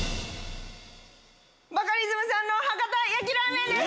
バカリズムさんの博多焼きラーメンです！